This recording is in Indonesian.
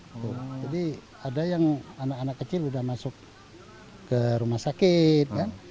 jadi ada yang anak anak kecil sudah masuk ke rumah sakit kan